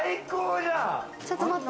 ちょっと待って。